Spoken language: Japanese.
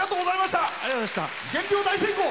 減量、大成功！